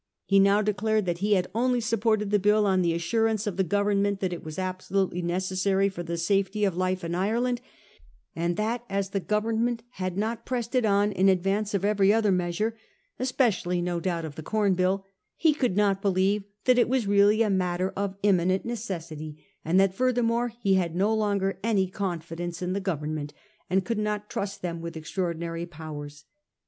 He now declared that he had only supported the bill on the assurance of the Go vernment that it was absolutely necessary for the safety of life in Ireland, and that as the Government had not pressed it on in advance of every other mea sure — especially no doubt of the Corn Bill — he could not believe that it was really a matter of imminent necessity; and that furthermore he had no longer any confidence in the Government, and could not trust them with extraordinary powers.